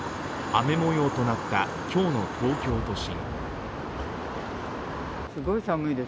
雨もようとなった今日の東京都心。